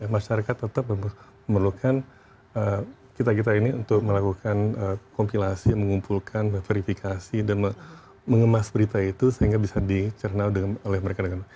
masyarakat tetap memerlukan kita kita ini untuk melakukan kompilasi mengumpulkan verifikasi dan mengemas berita itu sehingga bisa dicerna oleh mereka